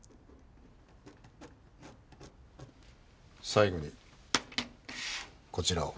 最後にこちらを。